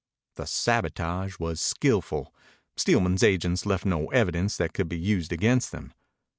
The sabotage was skillful. Steelman's agents left no evidence that could be used against them.